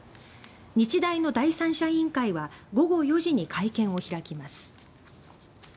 日大の第三者委員会は午後４時に会見を開きます。